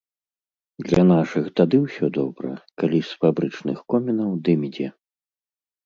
Для нашых тады ўсё добра, калі з фабрычных комінаў дым ідзе.